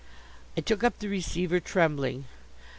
I took up the receiver, trembling.